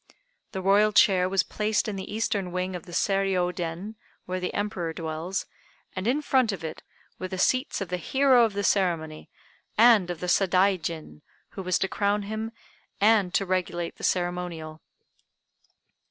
The Royal chair was placed in the Eastern wing of the Seiriô Den, where the Emperor dwells, and in front of it were the seats of the hero of the ceremony and of the Sadaijin, who was to crown him and to regulate the ceremonial.